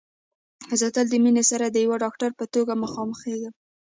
زه تل د مينې سره د يوه ډاکټر په توګه مخامخېږم